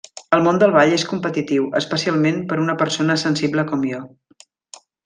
El món del ball és competitiu, especialment per una persona sensible com jo.